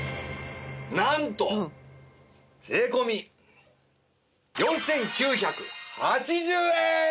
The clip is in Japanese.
なんと税込４９８０円！